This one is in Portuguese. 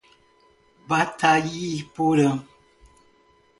Batayporã